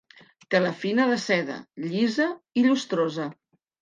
Tela fina de seda, llisa i llustrosa.